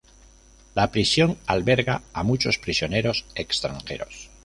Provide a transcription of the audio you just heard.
La prisión alberga a muchos prisioneros extranjeros.